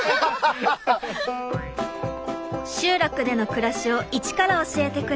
集落での暮らしを一から教えてくれた一助さん。